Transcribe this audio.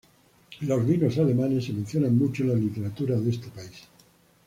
Los vinos alemanes se mencionan mucho en la literatura de este país.